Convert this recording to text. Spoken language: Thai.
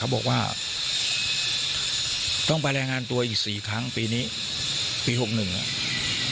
บอกว่าต้องไปรายงานตัวอีก๔ครั้งปีนี้ปีหกหนึ่งอ่ะ